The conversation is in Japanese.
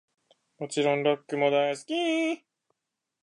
もちろんロックも大好き♡